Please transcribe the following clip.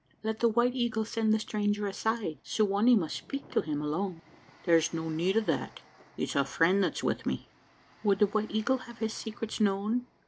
"Let the White Eagle send the stranger aside. Su wa nee must speak to him alone." "Thar's no need o' that: it's a friend that's wi' me." "Would the White Eagle have his secrets known?